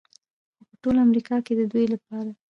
خو په ټول امریکا کې د دوی لپاره